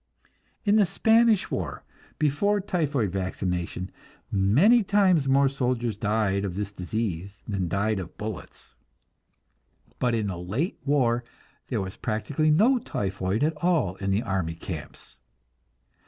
In the Spanish war, before typhoid vaccination, many times more soldiers died of this disease than died of bullets; but in the late war there was practically no typhoid at all in the army camps.